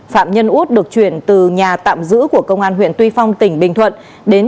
phạm nhân út được chuyển từ nhà tạm giữ của công an huyện tuy phong tỉnh bình thuận đến